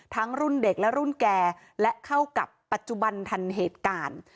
รุ่นเด็กและรุ่นแก่และเข้ากับปัจจุบันทันเหตุการณ์